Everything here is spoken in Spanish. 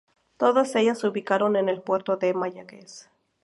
Todas ellas se ubicaron en el Puerto de Mayagüez.